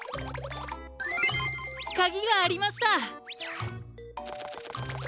かぎがありました！